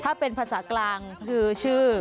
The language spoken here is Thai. ถ้าเป็นภาษากลางคือชื่อ